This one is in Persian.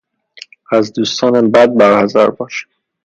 از دوستان بد برحذر باش!